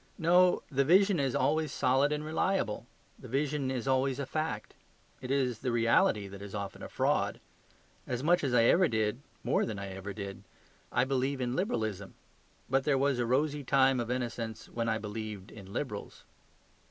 No; the vision is always solid and reliable. The vision is always a fact. It is the reality that is often a fraud. As much as I ever did, more than I ever did, I believe in Liberalism. But there was a rosy time of innocence when I believed in Liberals.